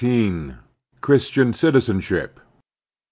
CHRISTIAN CITIZENSHIP.